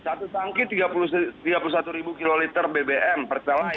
satu tangki tiga puluh satu kiloliter bbm per celah